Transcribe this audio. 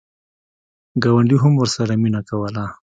ګاونډي هم ورسره مینه کوله.